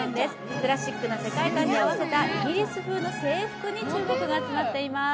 クラシックな世界観に合わせたイギリス風の制服に注目が集まっています。